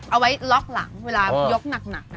เอาไว้ล็อกหลังเวลายกหนัก